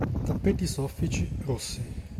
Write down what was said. Tappeti soffici, rossi;